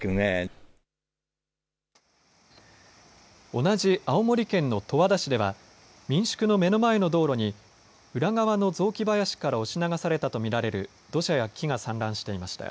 同じ青森県の十和田市では民宿の目の前の道路に裏側の雑木林から押し流されたと見られる土砂や木が散乱していました。